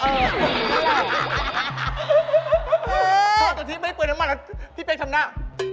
ทอดตัวที่ไม่เปลืองน้ำมันแล้วพี่เป๊กทำหน้า